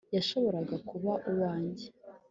yashoboraga kuba uwanjye